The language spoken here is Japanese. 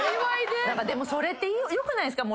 でもそれってよくないですか？